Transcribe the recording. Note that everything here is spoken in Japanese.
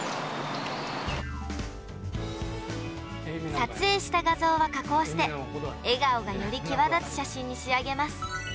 撮影した画像は加工して、笑顔がより際立つ写真に仕上げます。